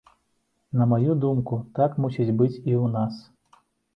На маю думку, так мусіць быць і ў нас.